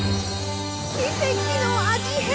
奇跡の味変！